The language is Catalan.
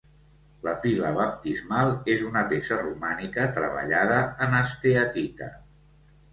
La pila baptismal és una peça romànica treballada en esteatita.